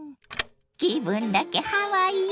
気分だけハワイよ。